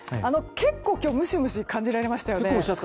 結構今日ムシムシ感じられましたよね。